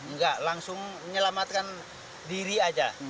nggak langsung menyelamatkan diri aja